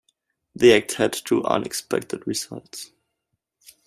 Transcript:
The Act had two unexpected results.